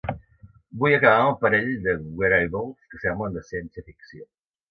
Vull acabar amb un parell de ‘wereables’ que semblen de ciència-ficció.